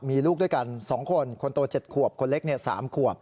มีลูกด้วยกันสองคนคนโตเจ็ดขวบคนเล็กเนี้ยสามขวบ